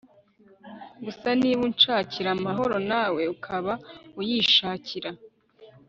gusa niba unshakira amahoro nawe ukaba uyishakira